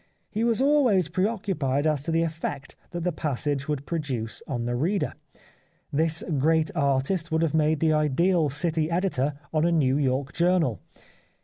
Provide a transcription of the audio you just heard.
He was always preoccupied as to the effect that the passage would produce on the reader. This great artist would have made the ideal city editor on a New York journal.